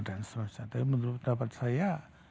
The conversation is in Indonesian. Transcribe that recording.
seterusnya tapi menurut dapat saya